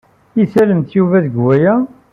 I tallemt Yuba deg waya?